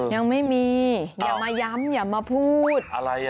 ยังไม่มีอย่ามาย้ำอย่ามาพูดอะไร